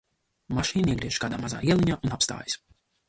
Mašīna iegriežas kādā mazā ieliņā un apstājās.